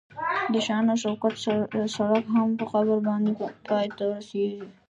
د شان او شوکت سړک هم په قبر باندې پای ته رسیږي.